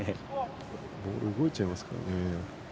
ボール動いちゃいますからね。